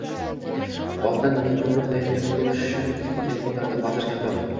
— Oldin men koʻproq tayyorgarlik koʻrishim kerak boʻlardi, hozir kamroq.